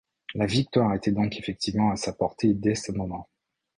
La victoire était donc effectivement à sa portée dés ce moment.